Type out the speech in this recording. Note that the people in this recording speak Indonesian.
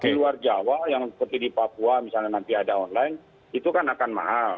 di luar jawa yang seperti di papua misalnya nanti ada online itu kan akan mahal